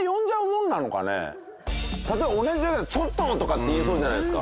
例えば同じようなちょっと！とかって言いそうじゃないですか。